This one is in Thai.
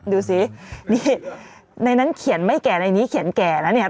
ดูสินี่ในนั้นเขียนไม่แก่ในนี้เขียนแก่แล้วเนี่ย